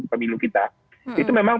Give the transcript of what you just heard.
pemilu kita itu memang